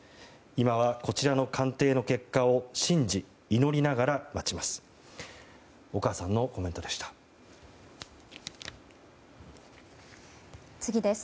今はこちらの鑑定の結果を信じ祈りながら待ちます。